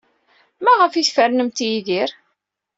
Maɣef ay tfernemt Yidir?